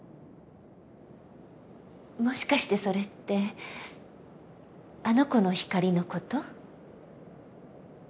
もしかしてそれってあの子の光のこと？